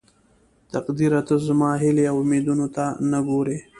تقديره ته زما هيلې او اميدونه ته نه ګورې.